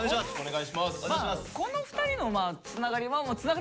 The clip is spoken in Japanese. この２人のつながりはつながり